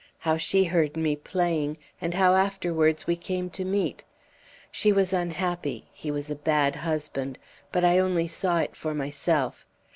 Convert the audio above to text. how she heard me playing, and how afterwards we came to meet. She was unhappy; he was a bad husband; but I only saw it for myself.